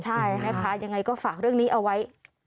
ใช่นะคะยังไงก็ฝากเรื่องนี้เอาไว้